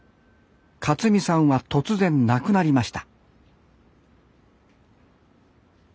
克己さんは突然亡くなりました